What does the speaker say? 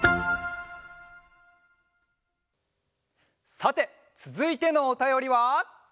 さてつづいてのおたよりは。